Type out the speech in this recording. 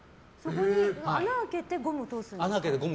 穴開けてゴム通すんですか？